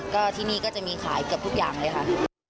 ก็ที่นี่ก็จะมีขายเกือบทุกอย่างเลยค่ะ